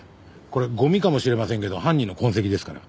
これゴミかもしれませんけど犯人の痕跡ですから。